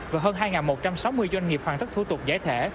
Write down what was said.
và hơn hai một trăm sáu mươi doanh nghiệp hoàn tất thủ tục giải thể